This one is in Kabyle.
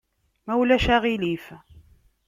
Ma ulac aɣilif.